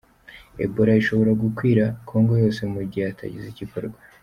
Ebola ishobora gukwira kongo yose mu gihe hatagize igikorwa